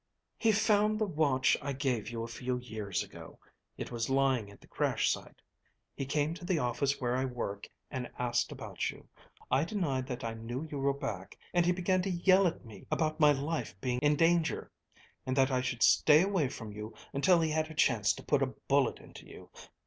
"He found the watch I gave you a few years ago. It was lying at the crash site. He came to the office where I work and asked about you. I denied that I knew you were back and he began to yell at me about my life being in danger and that I should stay away from you until he had a chance to put a bullet into you.